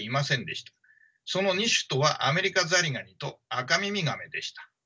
その２種とはアメリカザリガニとアカミミガメでした。